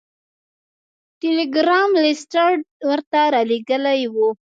ټیلګرام لیسټرډ ورته رالیږلی و.